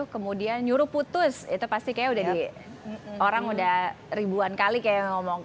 terus itu pasti kayaknya udah di orang udah ribuan kali kayaknya ngomong